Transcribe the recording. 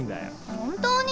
本当に？